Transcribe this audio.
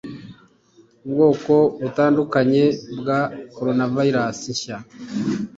Ubwoko butandukanye bwa coronavirus nshya